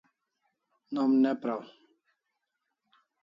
Nom ne praw